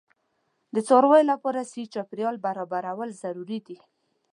د څارویو لپاره صحي چاپیریال برابرول ضروري دي.